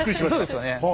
そうですよね。